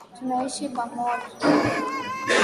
Tunaishi pamoja.